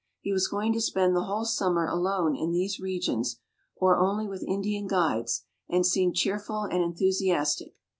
He was going to spend the whole summer alone in these regions, or only with Indian guides; and seemed cheerful and enthusiastic.